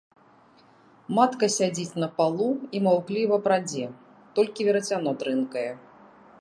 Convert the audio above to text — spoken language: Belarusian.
Матка сядзіць на палу і маўкліва прадзе, толькі верацяно трынкае.